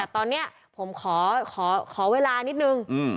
แต่ตอนเนี้ยผมขอขอขอเวลานิดนึงอืม